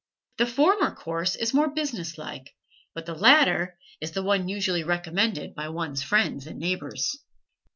The former course is more business like; but the latter is the one usually recommended by one's friends and neighbors.